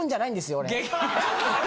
俺。